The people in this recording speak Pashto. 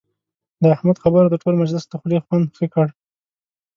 د احمد خبرو د ټول مجلس د خولې خوند ښه کړ.